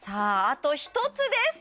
あと１つです